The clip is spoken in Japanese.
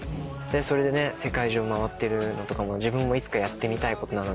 それで世界中を回ってるのとかも自分もいつかやってみたいことなので。